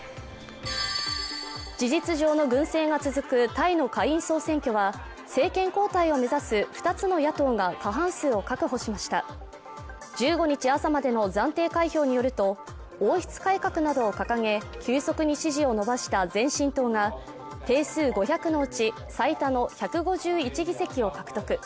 事実上の軍政が続くタイの下院総選挙は政権交代を目指す二つの野党が過半数を確保しました１５日朝までの暫定開票によると王室改革などを掲げ、急速に支持を伸ばした前進党が定数５００のうち、最多の１５１議席を獲得。